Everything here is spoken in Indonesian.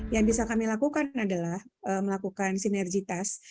yang bisa kami lakukan adalah melakukan sinergitas